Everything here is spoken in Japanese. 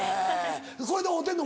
これで合うてんの？